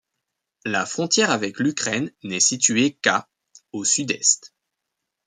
La frontière avec l'Ukraine n'est située qu'à au sud-est.